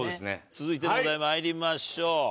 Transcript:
続いてのお題まいりましょう。